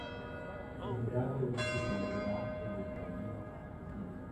El lugar de origen de la ciudad de Montreal es conocido.